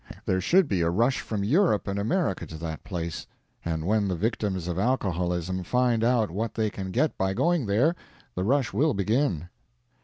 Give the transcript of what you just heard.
There should be a rush from Europe and America to that place; and when the victims of alcoholism find out what they can get by going there, the rush will begin.